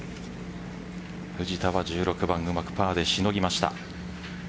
藤田は１６番うまくパーでしのぎました。